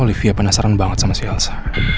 olivia penasaran banget sama si elsa